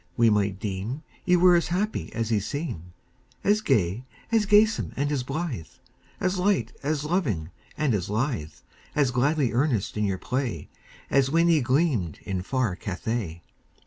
we might deem Ye were happy as ye seem As gay, as gamesome, and as blithe, As light, as loving, and as lithe, As gladly earnest in your play, As when ye gleamed in far Cathay.